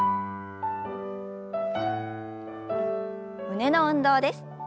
胸の運動です。